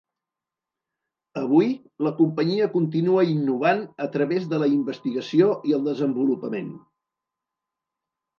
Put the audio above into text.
Avui, la companyia continua innovant a través de la investigació i el desenvolupament.